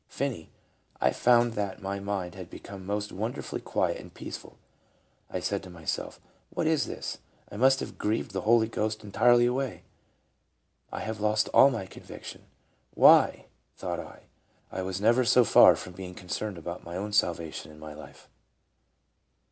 Finney: ".... I found that my mind had become most wonderfully quiet and peaceful. I said to myself, 'What is this ? I must have grieved the Holy Ghost entirely away. I have lost all my conviction. ... Why!' thought I, ' I was never so far from being concerned about my own salvation in my life.